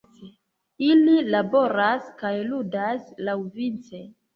Ili laboras kaj ludas laŭvice.